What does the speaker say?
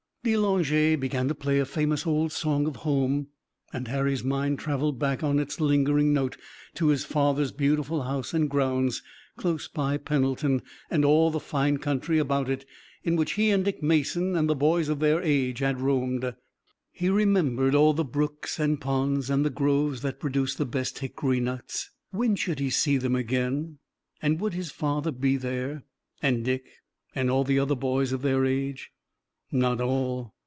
De Langeais began to play a famous old song of home, and Harry's mind traveled back on its lingering note to his father's beautiful house and grounds, close by Pendleton, and all the fine country about it, in which he and Dick Mason and the boys of their age had roamed. He remembered all the brooks and ponds and the groves that produced the best hickory nuts. When should he see them again and would his father be there, and Dick, and all the other boys of their age! Not all!